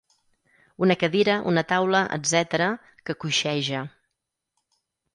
Una cadira, una taula, etc., que coixeja.